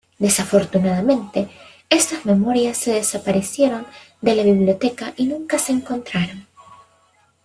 Desafortunadamente, estas memorias se desaparecieron de la biblioteca y nunca se encontraron.